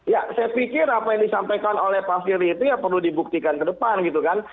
ya saya pikir apa yang disampaikan oleh pak firly itu ya perlu dibuktikan ke depan gitu kan